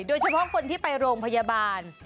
โดยเฉพาะคนที่ไปโรงพยาบาล